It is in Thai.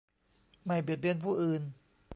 ไม่เบียดเบียนผู้อื่น